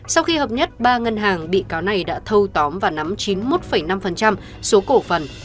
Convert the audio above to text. sau khi hợp nhất ba ngân hàng bị cáo này đã thâu tóm và nắm chín mươi một năm số cổ phần